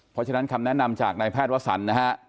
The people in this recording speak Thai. เพราะฉะนั้นคำแนะนำจากนายแพทย์วัฒนธุ์นะครับ